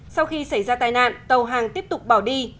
sau khi xảy ra tai nạn tàu hàng tiếp tục bỏ đi